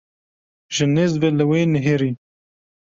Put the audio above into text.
Ji nêz ve li wê nihêrî.